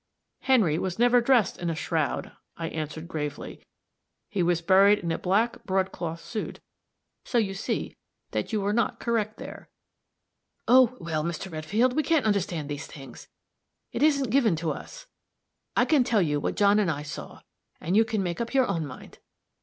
"Henry was never dressed in a shroud," I answered, gravely; "he was buried in a black broadcloth suit. So you see that you were not correct there." "Oh, well, Mr. Redfield, we can't understand these things it isn't given to us. I can tell you what John and I saw, and you can make up your own mind.